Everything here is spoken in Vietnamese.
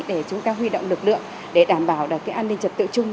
để chúng ta huy động lực lượng để đảm bảo được cái an ninh trật tự chung